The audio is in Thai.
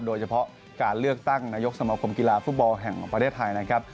โดยเฉพาะการเลือกตั้งนายกสมคมกีฬาฟุตบอลแห่งประเทศไทยนะครับ